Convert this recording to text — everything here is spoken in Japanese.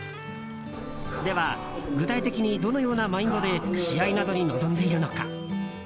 では、具体的にどのようなマインドで試合などに臨んでいるのか。